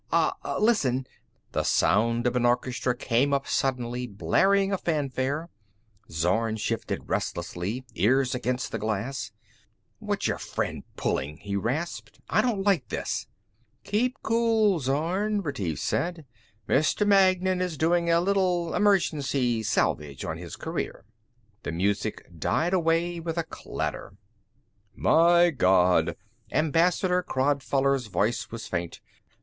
Ah listen...." The sound of an orchestra came up suddenly, blaring a fanfare. Zorn shifted restlessly, ear against the glass. "What's your friend pulling?" he rasped. "I don't like this." "Keep cool, Zorn," Retief said. "Mr. Magnan is doing a little emergency salvage on his career." The music died away with a clatter. " My God," Ambassador Crodfoller's voice was faint.